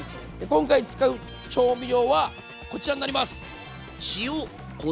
今回使う調味料はこちらになります。